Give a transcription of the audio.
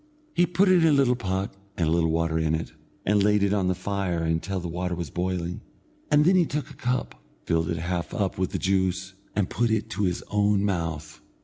He put it in a little pot and a little water in it, and laid it on the fire until the water was boiling, and then he took a cup, filled it half up with the juice, and put it to his own mouth.